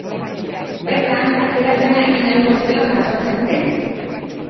Bertan, atzerapena egin ahalko zela jasotzen zen.